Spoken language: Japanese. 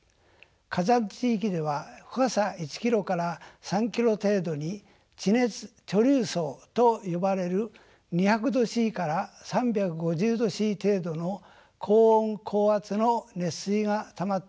火山地域では深さ１キロから３キロ程度に地熱貯留層と呼ばれる２００℃から３５０℃程度の高温高圧の熱水がたまっている所があります。